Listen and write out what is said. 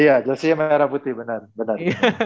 iya jersinya merah putih bener